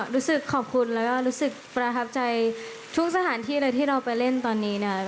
รู้สึกขอบคุณและรู้สึกประทับใจทุกสถานที่ที่เราไปเล่นตอนนี้